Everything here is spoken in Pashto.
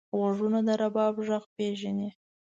غوږونه د رباب غږ پېژني